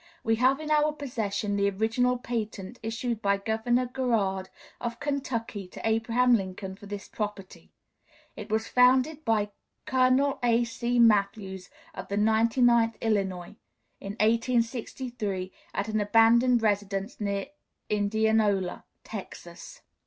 We have in our possession the original patent issued by Governor Garrard, of Kentucky, to Abraham Lincoln for this property. It was found by Col. A. C. Matthews, of the 99th Illinois, in 1863, at an abandoned residence near Indianola, Texas.